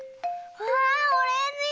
うわオレンジだ！